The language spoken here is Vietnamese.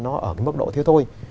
nó ở cái mức độ thiếu thôi